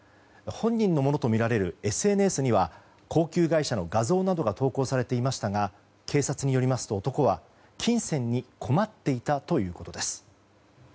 本人のものとみられるＳＮＳには高級外車の画像などが投稿されていましたが警察によりますと男は金銭に困っていたということです。